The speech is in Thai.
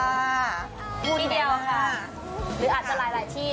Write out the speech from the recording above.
ไม่ได้ป่าวค่ะคู่เดียวค่ะหรืออาจจะหลายที่